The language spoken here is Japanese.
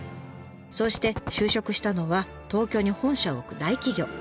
そうして就職したのは東京に本社を置く大企業。